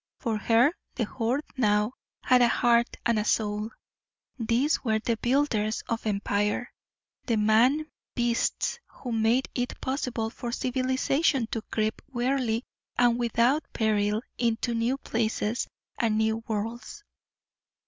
For her the Horde now had a heart and a soul. These were the builders of empire the man beasts who made it possible for Civilization to creep warily and without peril into new places and new worlds.